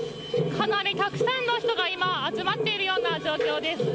かなりたくさんの人が集まっている状況です。